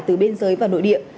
từ biên giới và nội địa